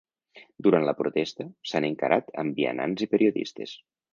Durant la protesta, s’han encarat amb vianants i periodistes.